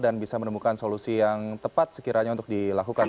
dan bisa menemukan solusi yang tepat sekiranya untuk dilakukan